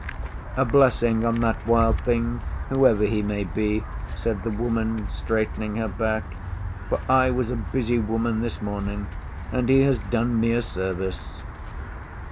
'A blessing on that Wild Thing whoever he may be,' said the Woman, straightening her back, 'for I was a busy woman this morning and he has done me a service.